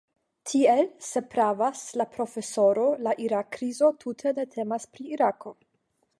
Tiel, se pravas la profesoro, la Irak-krizo tute ne temas pri Irako.